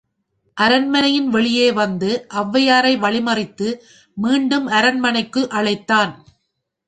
அரண்மனையின் வெளியே வந்து ஒளவையாரை வழிமறித்து, மீண்டும் அரண்மனைக்கு அழைத்தான்.